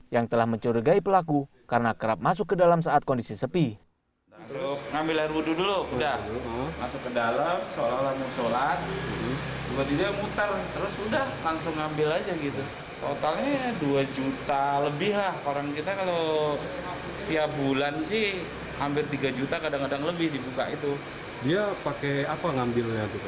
yang telah mencurigai pelaku karena kerap masuk ke dalam saat kondisi sepi